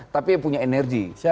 tapi punya energi